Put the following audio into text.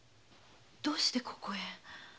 どうしてここへ？